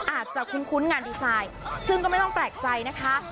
อาจจะคุ้นงานดีไซน์ซึ่งก็ไม่ต้องแปลกใจนะคะ